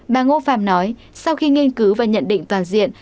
bà ngô phàm nói sau khi nghiên cứu và nhận định toàn diện